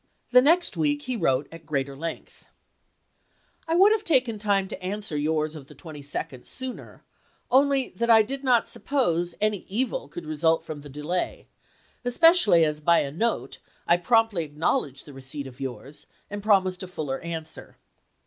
The next week he wi'ote at greater length : I would have taken time to answer yours of the 22d sooner, only that I did not suppose any evil could result from the delay, especially as, by a note, I promptly acknowledged the receipt of yours, and promised a fuller answer.